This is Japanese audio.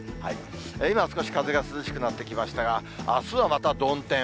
今、少し風が涼しくなってきましたが、あすはまた曇天。